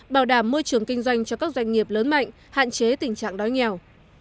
bảo đảm môi trường kinh doanh cho các doanh nghiệp lớn mạnh hạn chế tình trạng đói nghèo